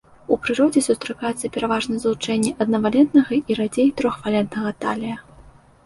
У прыродзе сустракаюцца пераважна злучэнні аднавалентнага і радзей трохвалентнага талія.